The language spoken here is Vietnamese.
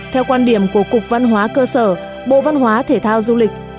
theo quan điểm của cục văn hóa cơ sở bộ văn hóa thể thao du lịch